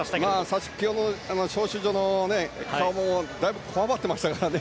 最初の招集所の顔もだいぶこわばってましたからね。